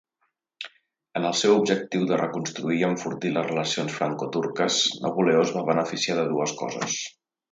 En el seu objectiu de reconstruir i enfortir les relacions franco-turques, Napoleó es va beneficiar de dues coses.